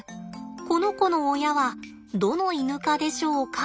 この子の親はどのイヌ科でしょうか？